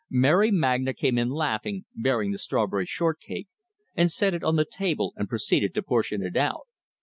Mary Magna came in laughing, bearing the strawberry short cake, and set it on the table and proceeded to portion it out.